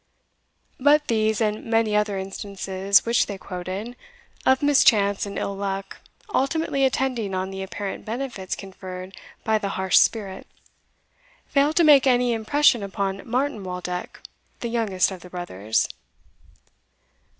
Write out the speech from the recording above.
But these, and many other instances which they quoted, of mischance and ill luck ultimately attending on the apparent benefits conferred by the Harz spirit, failed to make any impression upon Martin Waldeck, the youngest of the brothers.